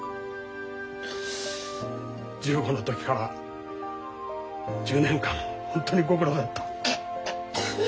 １５の時から１０年間本当にご苦労だった。